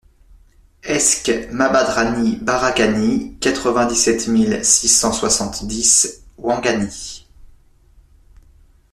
ESC MABANDRANI BARAKANI, quatre-vingt-dix-sept mille six cent soixante-dix Ouangani